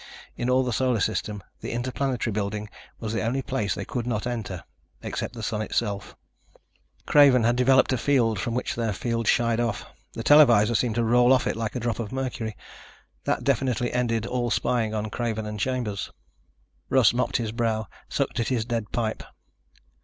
In all the Solar System, the Interplanetary building was the only place they could not enter, except the Sun itself. Craven had developed a field from which their field shied off. The televisor seemed to roll off it like a drop of mercury. That definitely ended all spying on Craven and Chambers. Russ mopped his brow, sucked at his dead pipe.